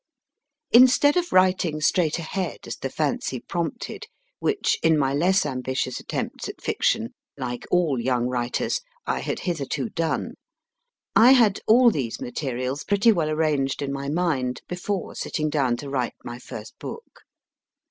Instead of writing straight ahead, as the fancy prompted, which, in my less ambitious attempts at Fiction (like all young writers) I had hitherto done, I had all these materials pretty well arranged in my mind before sitting down to write my first book.